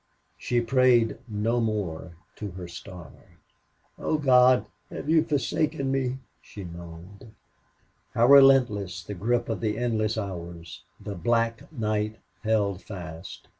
She prayed no more to her star. "Oh, God, have you forsaken me?" she moaned. How relentless the grip of the endless hours! The black night held fast.